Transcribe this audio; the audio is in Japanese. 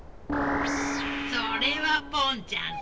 それはポンちゃんさ。